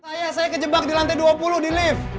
saya saya kejebak di lantai dua puluh di lift